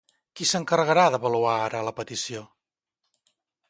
Qui s'encarregarà d'avaluar ara la petició?